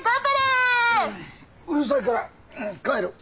うるさいから帰る。